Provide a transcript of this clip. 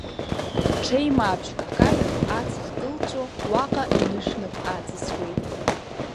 Ҽеимаабжьк каҩыр аҵх кылҵәо, уаҟа инышәнап ааҵысуеит.